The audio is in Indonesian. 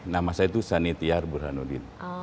nama saya itu sanitiar burhanuddin